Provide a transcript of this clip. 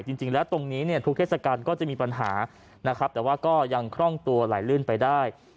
จริงแล้วตรงนี้เนี่ยทุกเทศกาลก็จะมีปัญหานะครับแต่ว่าก็ยังคล่องตัวไหลลื่นไปได้